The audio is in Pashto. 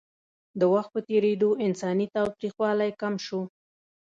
د وخت په تېرېدو انساني تاوتریخوالی کم شو.